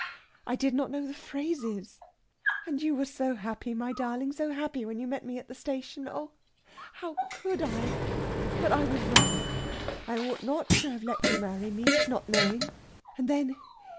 I did not know the phrases and you were so happy, my darling so happy when you met me at the station! Oh, how could I? But I was wrong. I ought not to have let you marry me, not knowing. And then